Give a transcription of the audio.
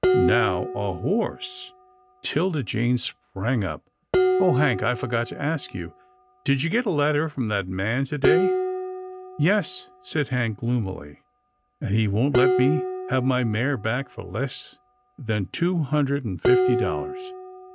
Now a horse —" 'Tilda Jane sprang up. " Oh ! Hank, I forgot to ask you. Did you get a letter from that man to day?" " Yes," said Hank gloomily, " and he won't let me have my mare back for less than two hundred and fifty dollars."